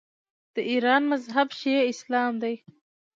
د ایران مذهب شیعه اسلام دی.